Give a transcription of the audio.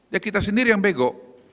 ya kita sendiri yang bego